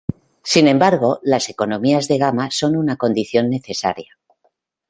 Sin embargo, las economías de gama son una condición necesaria.